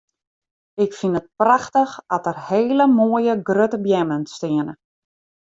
Ik fyn it prachtich at der hele moaie grutte beammen steane.